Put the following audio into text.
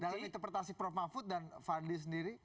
dalam interpretasi prof mahfud dan fadli sendiri